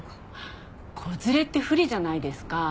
子連れって不利じゃないですか。